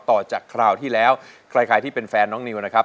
ต่อจากคราวที่แล้วใครที่เป็นแฟนน้องนิวนะครับ